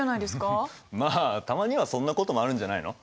まあたまにはそんなこともあるんじゃないの。